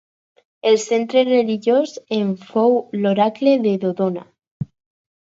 El centre religiós en fou l'oracle de Dodona.